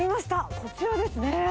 こちらですね。